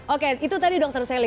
oke itu tadi dokter salil